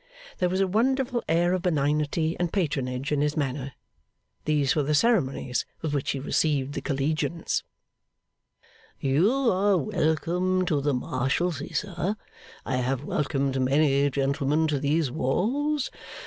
There was a wonderful air of benignity and patronage in his manner. These were the ceremonies with which he received the collegians. 'You are welcome to the Marshalsea, sir. I have welcomed many gentlemen to these walls.